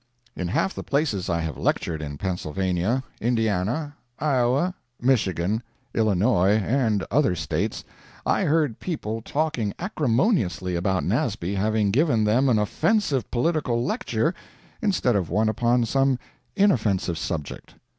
In half the places I have lectured in Pennsylvania, Indiana, Iowa, Michigan, Illinois, and other States, I heard people talking acrimoniously about Nasby having given them an offensive political lecture instead of one upon some inoffensive subject.